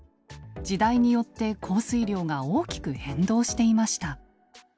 時代によって降水量が大きく変動していました。